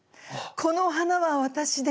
「この花は私です」